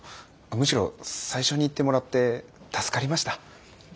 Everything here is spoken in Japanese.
むしろ最初に言ってもらって助かりました。